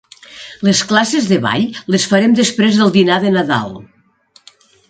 Les classes de ball les farem després del dinar de Nadal.